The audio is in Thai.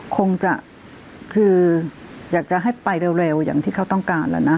คงจะคืออยากจะให้ไปเร็วอย่างที่เขาต้องการแล้วนะ